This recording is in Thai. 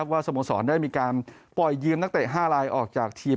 สโมสรได้มีการปล่อยยืมนักเตะ๕ลายออกจากทีม